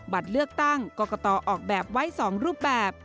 บัตรเลือกตั้งกรกตออกแบบไว้๒รูปแบบ